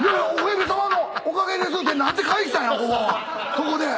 そこで。